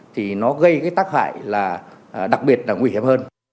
thì nó gây tác hại đặc biệt và nguy hiểm hơn